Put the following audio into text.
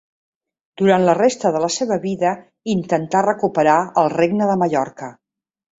Durant la resta de la seva vida intentà recuperar el Regne de Mallorca.